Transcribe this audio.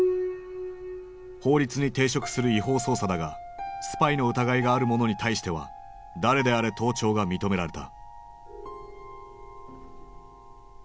法律に抵触する違法捜査だがスパイの疑いがある者に対しては誰であれ盗聴が認められた。